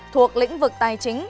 thuộc lĩnh vực tài chính